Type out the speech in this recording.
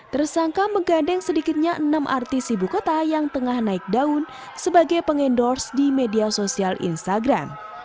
tersangka menggandeng sedikitnya enam artis ibu kota yang tengah naik daun sebagai pengendorse di media sosial instagram